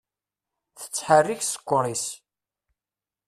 Tettḥerrik ssker-is.